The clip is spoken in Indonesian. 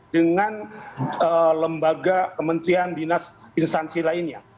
dengan lembaga kementerian dinas instansi lainnya